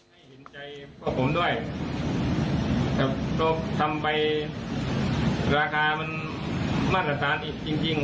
ให้หินใจพวกผมด้วยก็ทำไปราคามันมาตรศาลอีกจริง